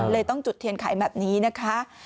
ต้องจุดเทียนไขแบบนี้นะคะ